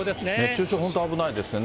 熱中症、本当危ないですね。